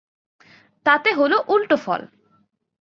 তাতে হল উলটো ফল।